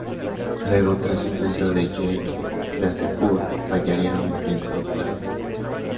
Luego, tras un centro de Jean Beausejour, fallaría un intento claro de gol.